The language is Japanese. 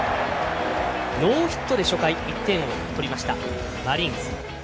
ノーヒットで初回１点を取りましたマリーンズ。